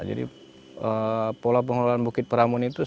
jadi pola pengelolaan bukit peramun itu sebenarnya